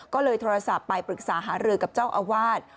ก็เลยโทรศัพท์ไปปรึกษาหารือกับเจ้าอาวาส